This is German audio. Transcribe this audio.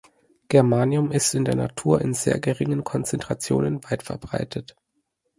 Germanium ist in der Natur in sehr geringen Konzentrationen weit verbreitet.